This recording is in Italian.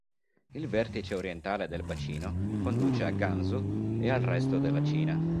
Il vertice orientale del bacino conduce a Gansu e al resto della Cina.